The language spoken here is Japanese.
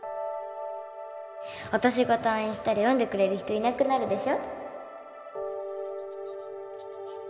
私が退院したら読んでくれる人いなくなるでしょ